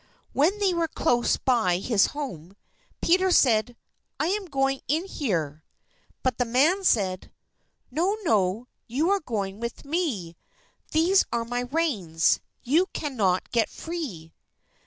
When they were close by his home, Peter said, "I am going in here." But the man said "No, no, you are going with me; These are my reins, you cannot get free."